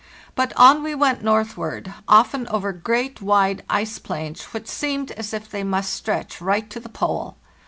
But on we went northward, often over great, wide ice plains which seemed as if they must stretch right to the Pole.